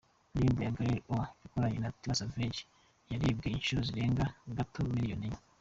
Indirimbo ye Girlie O yakoranye na Tiwa Savage yarebwe inshuro zirenga gato miliyoni enye.